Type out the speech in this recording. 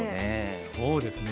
そうですね